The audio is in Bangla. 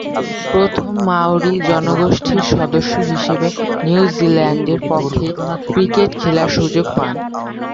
প্রথম মাওরি জনগোষ্ঠীর সদস্য হিসেবে নিউজিল্যান্ডের পক্ষে ক্রিকেট খেলার সুযোগ পান।